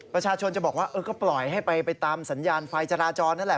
ประชาชนจะบอกว่าก็ปล่อยให้ไปตามสัญญาณไฟจราจรนั่นแหละ